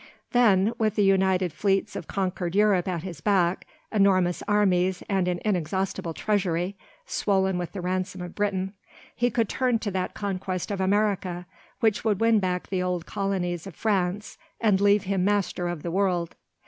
Then, with the united fleets of conquered Europe at his back, enormous armies and an inexhaustible treasury, swollen with the ransom of Britain, he could turn to that conquest of America which would win back the old colonies of France and leave him master of the world.